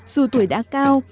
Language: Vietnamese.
dù tuổi đã cao